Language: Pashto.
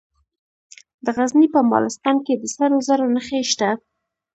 د غزني په مالستان کې د سرو زرو نښې شته.